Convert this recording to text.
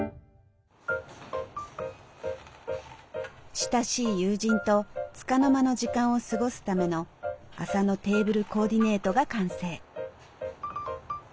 親しい友人とつかの間の時間を過ごすための麻のテーブルコーディネートが完成。